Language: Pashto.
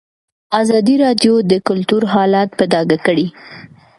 ازادي راډیو د کلتور حالت په ډاګه کړی.